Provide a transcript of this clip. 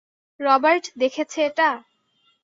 Robert দেখেছে এটা?